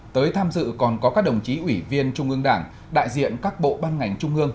tới tham dự còn có các đồng chí ủy viên trung ương đảng đại diện các bộ ban ngành trung ương